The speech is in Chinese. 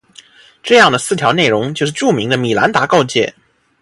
这样的四条内容就是著名的米兰达告诫。